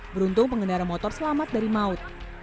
beruntung pengendara motor selamat dari maut